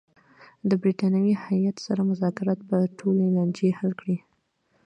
د برټانوي هیات سره مذاکرات به ټولې لانجې حل کړي.